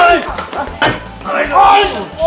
งานดี